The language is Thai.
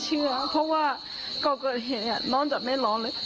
เชื่อค่ะอย่างนี้ก็จะเชื่อเพราะว่าเก่าเกิดเห็นน้องจะไม่ร้องเลย